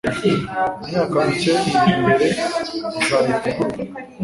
Imyaka mike iri imbere izahita iguruka